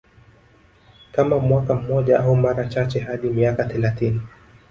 Kama mwaka mmoja au mara chache hadi miaka thelathini